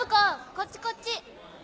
こっちこっち！